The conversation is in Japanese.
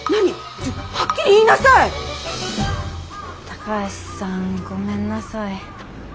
高橋さんごめんなさい。